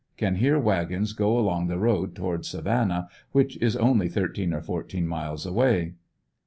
Can hear wagons go along the road toward Savannah, which is only thirteen or fourteen miles away.